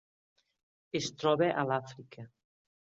Es troba a l'Àfrica.